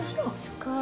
すごい！